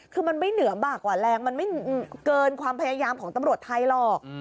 คือมันไม่เหนือบากกว่าแรงมันไม่เกินความพยายามของตำรวจไทยหรอก